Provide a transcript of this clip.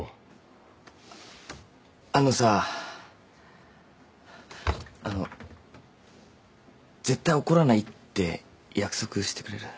あっあのさあの絶対怒らないって約束してくれる？